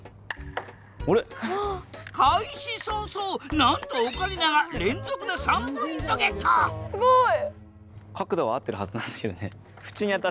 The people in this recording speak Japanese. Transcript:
開始早々なんとオカリナが連続で３ポイントゲットすごい！